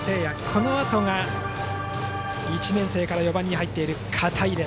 このあとが１年生から４番に入る片井。